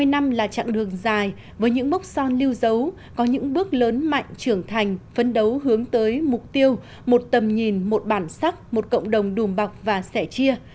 hai mươi năm là chặng đường dài với những mốc son lưu dấu có những bước lớn mạnh trưởng thành phấn đấu hướng tới mục tiêu một tầm nhìn một bản sắc một cộng đồng đùm bọc và sẻ chia